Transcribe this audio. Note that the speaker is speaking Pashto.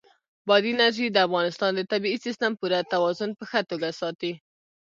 بادي انرژي د افغانستان د طبعي سیسټم پوره توازن په ښه توګه ساتي.